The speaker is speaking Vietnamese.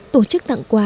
tổ chức tặng quà